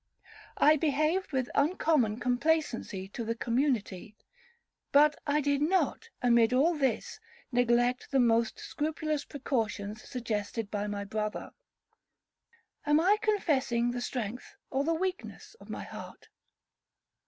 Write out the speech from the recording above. I behaved with uncommon complacency to the community. But I did not, amid all this, neglect the most scrupulous precautions suggested by my brother. Am I confessing the strength or the weakness of my heart?